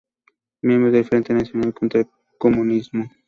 Miembro del Frente Nacional Contra el Comunismo.